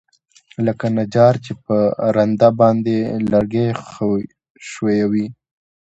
لکه نجار چې په رنده باندى لرګى ښويوي.